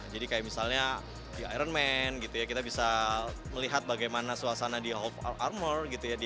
jadi kayak misalnya di iron man kita bisa melihat bagaimana suasana di home armor